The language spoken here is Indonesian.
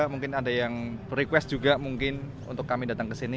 mungkin ada yang request juga mungkin untuk kami datang ke sini